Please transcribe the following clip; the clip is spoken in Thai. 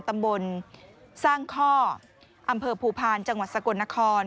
ตำบลสร้างข้ออำเภอภูพาลจังหวัดสกลนคร